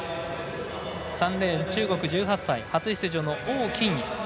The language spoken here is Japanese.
３レーン中国１８歳初出場の王欣怡